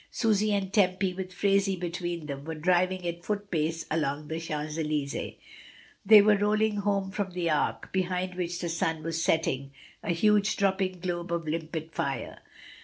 Susy and Tempy, with Phraisie between them, were driving at foot pace along the Champs Elys^es. They were rolling home from the Arc, behind which the sun was setting, a huge drop ping globe of limpid fire.